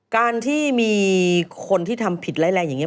การที่มีคนที่ทำผิดไร้แรงอย่างนี้